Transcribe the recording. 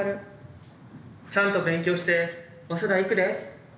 ちゃんと勉強して早稲田行くで。